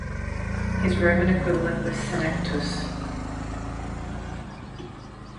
His Roman equivalent was Senectus.